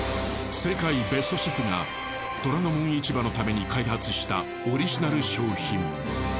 世界ベストシェフが『虎ノ門市場』のために開発したオリジナル商品。